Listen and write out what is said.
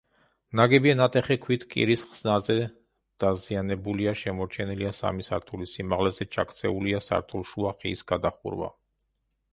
ნაგებია ნატეხი ქვით კირის ხსნარზე დაზიანებულია: შემორჩენილია სამი სართულის სიმაღლეზე ჩაქცეულია სართულშუა ხის გადახურვა.